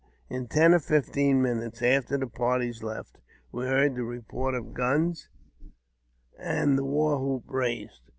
In ten or fifteen minutes after the parties left, we heard the report of a gun, and the war hoop raised.